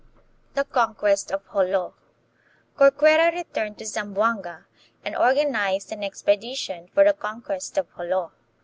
1 The Conquest of Jolo. Corcuera returned to Zam boanga and organized an expedition for the conquest of Jolo.